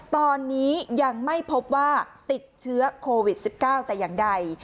ตอนนี้ยังไม่พบว่าติดเชื้อโควิด๑๙แต่อย่างใด